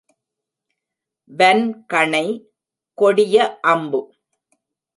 வன் கணை—கொடிய அம்பு.